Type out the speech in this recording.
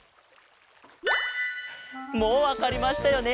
もうわかりましたよね？